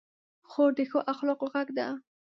خور د ښو اخلاقو غږ ده.